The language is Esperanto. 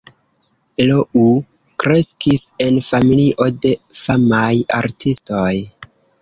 Lou kreskis en familio de famaj artistoj.